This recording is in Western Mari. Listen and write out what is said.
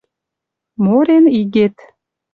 Морен игет